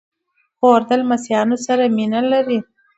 خور د لمسيانو سره مینه لري.